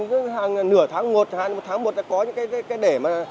cứ hàng nửa tháng một hàng tháng một đã có những cái để mà